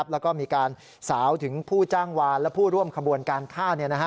แล้วก็มีการสาวถึงผู้จ้างวานและผู้ร่วมขบวนการฆ่า